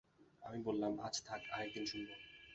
আমি বললাম, আজ থাক, আরেক দিন শুনব।